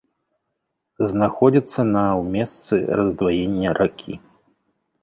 Знаходзіцца на ў месцы раздваення ракі.